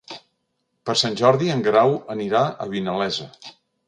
Per Sant Jordi en Guerau anirà a Vinalesa.